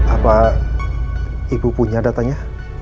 apa ibu punya datanya